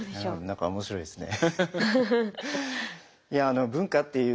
何か面白いですね。